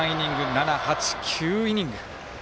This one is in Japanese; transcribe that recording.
７、８、９イニング。